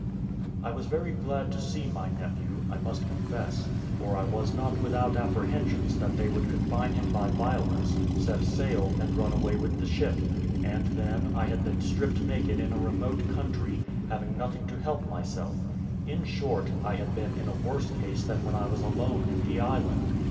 I was very glad to see my nephew, I must confess; for I was not without apprehensions that they would confine him by violence, set sail, and run away with the ship; and then I had been stripped naked in a remote country, having nothing to help myself; in short, I had been in a worse case than when I was alone in the island.